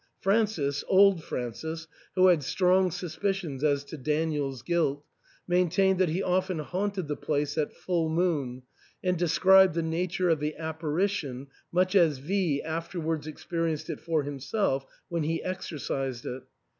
Francis — old Francis — who had strong suspicions as to Daniel's guilt, maintained that he often haunted the place at full moon, and described the nature of the apparition much as V afterwards experienced it for himself when he exorcised it.